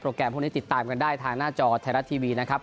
แกรมพวกนี้ติดตามกันได้ทางหน้าจอไทยรัฐทีวีนะครับ